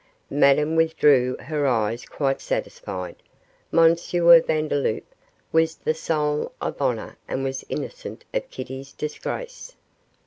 Madame withdrew her eyes quite satisfied, M. Vandeloup was the soul of honour and was innocent of Kitty's disgrace.